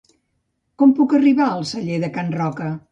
Com puc arribar al Celler de Can Roca?